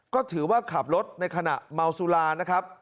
ก็ถือว่าขับรถในขณะเมาสุรานะครับ